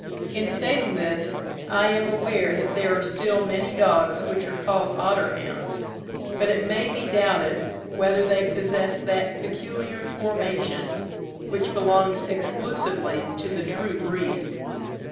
In stating this, I am aware that there are still many dogs which are called otter hounds; but it may be doubted whether they possess that peculiar formation which belongs exclusively to the true breed.